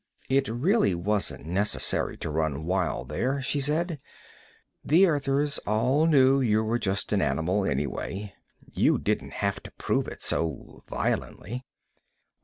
"It really wasn't necessary to run wild there," she said. "The Earthers all knew you were just an animal anyway. You didn't have to prove it so violently."